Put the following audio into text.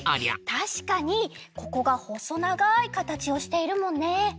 たしかにここがほそながいかたちをしているもんね。